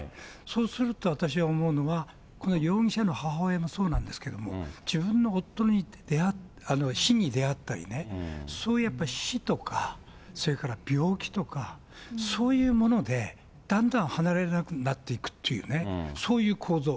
そうすると私は思うのは、この容疑者の母親もそうなんですけれども、自分の夫に、死に出会ったりね、そういうやっぱり死とか、それから病気とか、そういうもので、だんだん離れられなくなっていくというね、そういう構造。